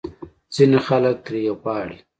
ځینې خلک ترې غواړي